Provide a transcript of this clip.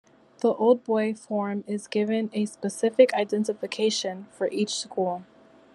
The Old Boy form is given a specific identification for each school.